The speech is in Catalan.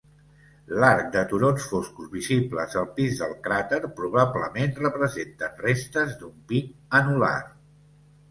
L'arc de turons foscos visibles al pis del cràter probablement representen restes d'un pic anul·lar.